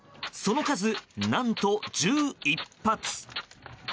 その数、何と１１発。